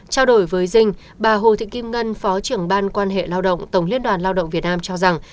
trao đổi với dinh bà hồ thị kim ngân phó trưởng ban quan hệ lao động tổng liên đoàn lao động việt nam cho rằng